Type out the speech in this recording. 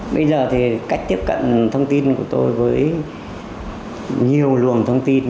bây giờ thì cách tiếp cận thông tin của tôi với nhiều luồng thông tin